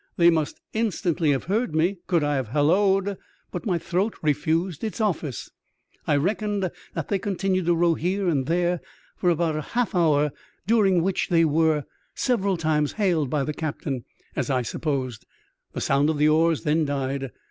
They must instantly have heard me, could I have hallo'd ; but my throat refused its office. I reckoned that they continued to row here and there for about half an hour, during which they were several times hailed by the captain, as I sup posed ; the sound of the oars then died.